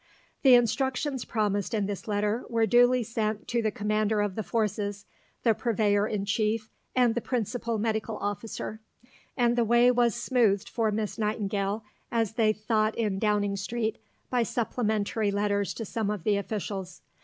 The instructions promised in this letter were duly sent to the Commander of the Forces, the Purveyor in Chief, and the Principal Medical Officer; and the way was smoothed for Miss Nightingale, as they thought in Downing Street, by supplementary letters to some of the officials.